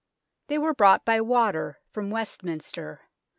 They were brought by water from Westminster.